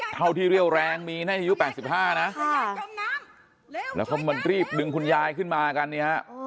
เท่าที่เรี่ยวแรงมีในอายุแปดสิบห้านะค่ะแล้วก็มารีบดึงคุณยายขึ้นมากันนี่ฮะ